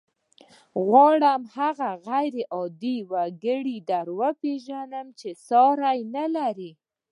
غواړم هغه غير عادي وګړی در وپېژنم چې ساری نه لري.